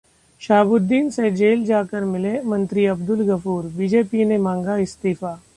शहाबुद्दीन से जेल जाकर मिले मंत्री अब्दुल गफूर, बीजेपी ने मांगा इस्तीफा